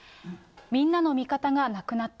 みんなの味方が亡くなった。